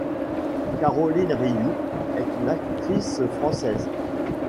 Caroline Riou est une actrice française.